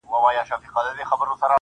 o ملنگ خو دي وڅنگ ته پرېږده.